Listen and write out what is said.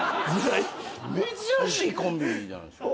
珍しいコンビじゃないですか。